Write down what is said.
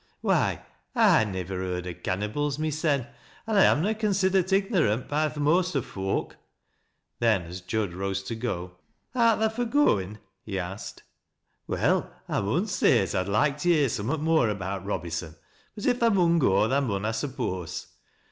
Why, I niv ver heard o' cannybles mysen, an' I am na considert igno rant by th' most o' foak." Then, as Jud rose to go, "Art tha fur goin' ?" he asked. " Well, I mun say as I'd loike to hear summat more about Robyson ; but, if tha mun go. tha mun, I suppose.